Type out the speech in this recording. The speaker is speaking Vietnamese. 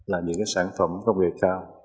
là những cái sản phẩm công nghệ cao